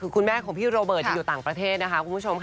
คือคุณแม่ของพี่โรเบิร์ตยังอยู่ต่างประเทศนะคะคุณผู้ชมค่ะ